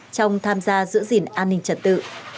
trong tham gia giữ gìn an ninh trật tự